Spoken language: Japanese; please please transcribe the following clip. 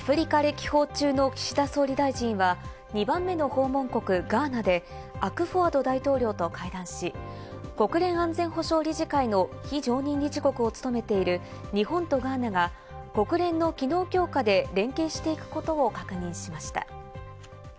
アフリカ歴訪中の岸田総理大臣は、２番目の訪問国、ガーナでアクフォアド大統領と会談し、国連安全保障理事会の非常任理事国を務めている日本とガーナが国連の機能強化で連携していくことを確認しました。